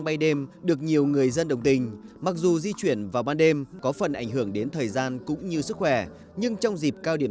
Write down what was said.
bây đêm thì nó vẫn giải quyết được khá nhiều việc cho những người ta đi làm